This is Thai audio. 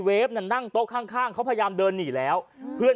ฟน่ะนั่งโต๊ะข้างเขาพยายามเดินหนีแล้วเพื่อน